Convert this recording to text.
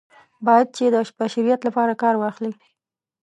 باید چې د بشریت لپاره کار واخلي.